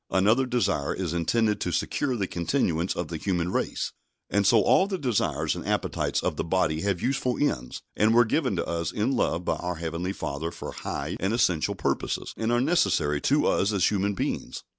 Another desire is intended to secure the continuance of the human race. And so all the desires and appetites of the body have useful ends, and were given to us in love by our Heavenly Father for high and essential purposes, and are necessary to us as human beings.